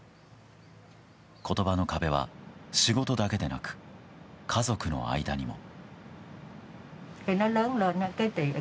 言葉の壁は仕事だけでなく家族の間にも。